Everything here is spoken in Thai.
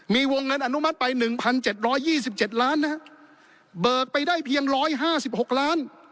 มีวงเงินอนุมัติไปหนึ่งพันเจ็ดร้อยยี่สิบเจ็ดล้านนะฮะเบิกไปได้เพียงร้อยห้าสิบหกล้าน